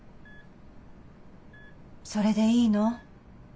それでいいの？